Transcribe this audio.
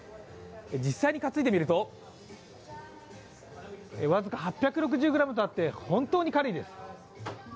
実際に担いでみると僅か８６０ｇとあって本当に軽いです。